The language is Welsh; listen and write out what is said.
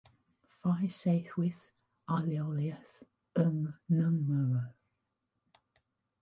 Fe'i saethwyd ar leoliad yng Nghymru.